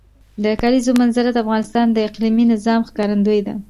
د کلیزو منظره د افغانستان د اقلیمي نظام ښکارندوی ده.